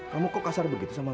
kamu kok kasar begitu sama